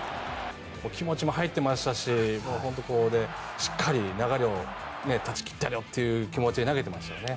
気持ちも入っていましたししっかり流れを断ち切ってやるという気持ちで投げていましたよね。